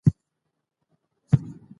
دوی پاڼ پر انګریزانو اړولی وو.